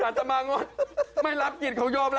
อัตโมง็อิน